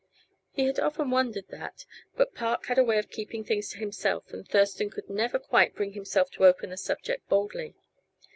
He had often wondered that, but Park had a way of keeping things to himself, and Thurston could never quite bring himself to open the subject boldly.